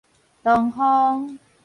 唐風